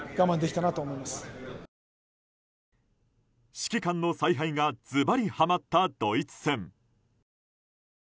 指揮官の采配がズバリはまったドイツ戦。